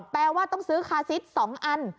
แปลว่าต้องซื้อคาซิส๒อัน